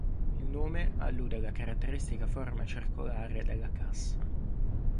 Il nome allude alla caratteristica forma circolare della cassa.